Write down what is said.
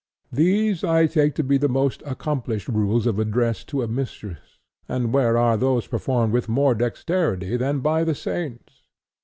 These I take to be the most accomplished rules of address to a mistress; and where are these performed with more dexterity than by the saints?